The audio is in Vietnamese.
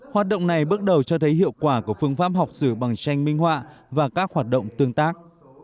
hoạt động này bước đầu cho thấy hiệu quả của phương pháp học sử bằng tranh minh họa và các hoạt động tương tác